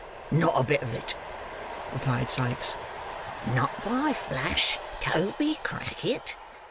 "Not a bit of it," replied Sikes. "Not by flash Toby Crackit?"